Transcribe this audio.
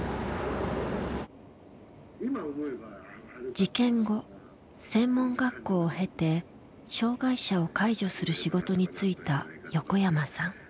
事件後専門学校を経て障害者を介助する仕事に就いた横山さん。